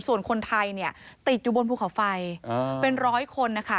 ส่วนคนไทยเนี่ยติดอยู่บนภูเขาไฟเป็นร้อยคนนะคะ